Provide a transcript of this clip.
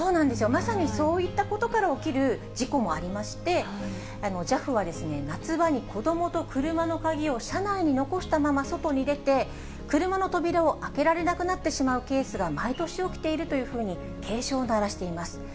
まさにそういったことから起きる事故もありまして、ＪＡＦは、夏場に子どもと車の鍵を車内に残したまま外に出て、車の扉を開けられなくなってしまうケースが毎年起きているというふうに警鐘を鳴らしています。